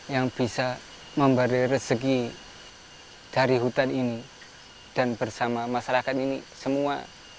yang bisa memberi rezeki dari hutan ini dan bersama masyarakat ini semua